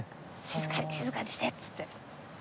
静かに静かにしてっつって。